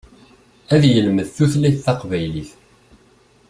Ad yelmed tutlayt taqbaylit.